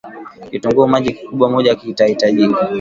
Kitunguu maji Kikubwa mojakitahitajika